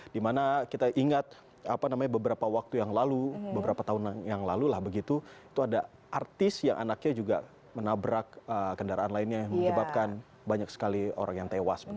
dimana kita ingat beberapa waktu yang lalu beberapa tahun yang lalu lah begitu itu ada artis yang anaknya juga menabrak kendaraan lainnya yang menyebabkan banyak sekali orang yang tewas